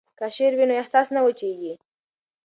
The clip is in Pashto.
که شعر وي نو احساس نه وچیږي.